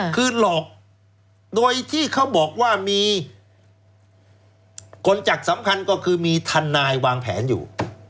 คือหลอกโดยที่เขาบอกว่ามีคนจักรสำคัญก็คือมีทนายวางแผนอยู่